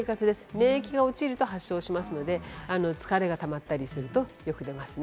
免疫が落ちると発生しますので疲れがたまったりするとよく出ますね。